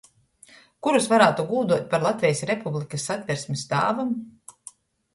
Kurus varātu gūduot par Latvejis Republikys Satversmis tāvim.